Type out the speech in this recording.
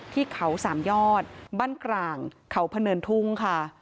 ที่เขาสามยอดบ้านกลางเขาพะเนินทุ่งค่ะ